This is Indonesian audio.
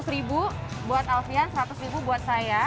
seratus ribu buat alfian seratus ribu buat saya